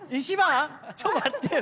ちょっと待ってよ！